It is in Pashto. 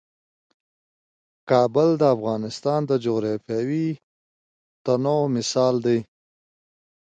کابل د افغانستان د جغرافیوي تنوع مثال دی.